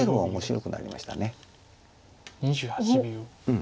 うん。